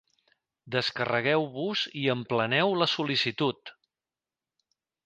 Descarregueu-vos i empleneu la sol·licitud.